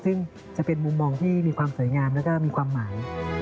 ซึ่งจะเป็นมุมมองที่มีความสวยงามแล้วก็มีความหมาย